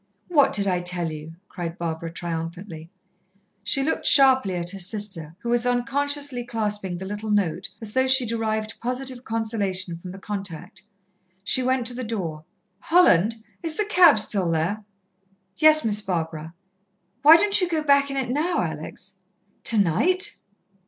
"What did I tell you?" cried Barbara triumphantly. She looked sharply at her sister, who was unconsciously clasping the little note as though she derived positive consolation from the contact. She went to the door. "Holland! is the cab still there?" "Yes, Miss Barbara." "Why don't you go back in it now, Alex?" "Tonight?"